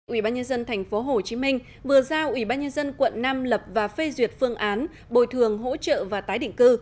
ủy ban nhân dân tp hcm vừa giao ủy ban nhân dân quận năm lập và phê duyệt phương án bồi thường hỗ trợ và tái định cư